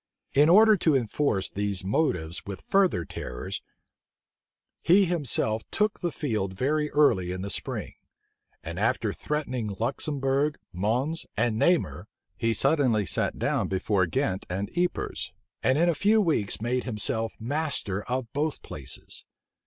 In order to enforce these motives with further terrors, he himself took the field very early in the spring; and after threatening Luxembourg, Mons, and Namur he suddenly sat down before Ghent and Ypres, and in a few weeks made himself master of both places.